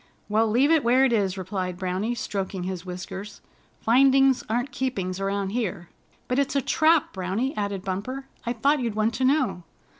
"Well, leave it where it is," replied Browny, stroking his whiskers. "Findings aren't keepings around here." "But it's a trap, Browny," added Bumper. "I thought you'd want to know."